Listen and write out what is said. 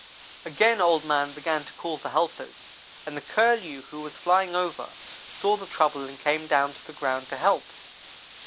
"Again Old man began to call for helpers, and the Curlew, who was flying over, saw the trouble, and came down to the ground to help.